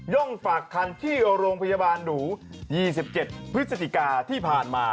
ย่องฝากคัณฑิษฎิกาห์๒๗พฤษฐิกาที่ผ่านมา